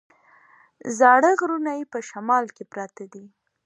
زاړه غرونه یې په شمال کې پراته دي.